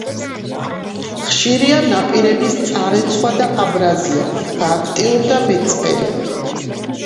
ხშირია ნაპირების წარეცხვა და აბრაზია, გააქტიურდა მეწყერი.